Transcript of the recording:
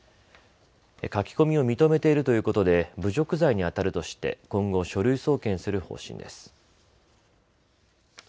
書き込みを認めているということで侮辱罪にあたるとして今後書類送検する方針です。